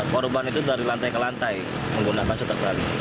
korban itu dari lantai ke lantai menggunakan sutradara